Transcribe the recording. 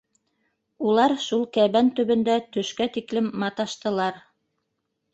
Улар шул кәбән төбөндә төшкә тиклем маташтылар.